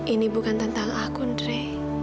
ini bukan tentang aku andre